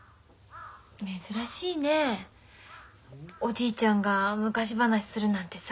珍しいねおじいちゃんが昔話するなんてさ。